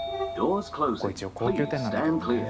ここ一応高級店なんだけどね。